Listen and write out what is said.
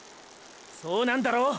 そうなんだろう